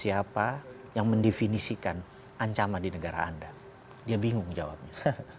siapa yang mendefinisikan ancaman di negara anda dia bingung jawabnya